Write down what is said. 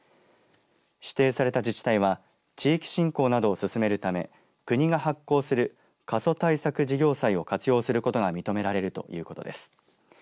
指定された自治体は地域振興などを進めるため国が発行する過疎対策事業債を活用することが認められるということです。